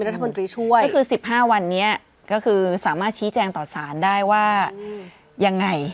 ก็คือสิบห้าวันเนี้ยสามารถชี้แจ้งตอบสารได้ว่ายังไง